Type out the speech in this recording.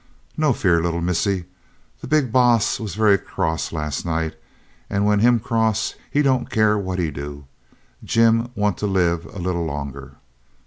"No fear, little missie. The Big Baas was very cross last night, and when Him cross He don't care what He do. Jim want to live a little longer."